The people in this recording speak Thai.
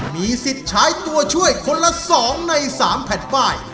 มีสิทธิ์ใช้ตัวช่วยคนละ๒ใน๓แผ่นป้าย